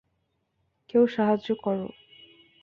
কেউ সাহায্য করো।